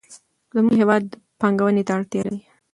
زموږ هېواد پانګونې ته اړتیا لري.